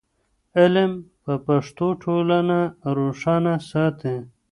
علم په پښتو ټولنه روښانه ساتي.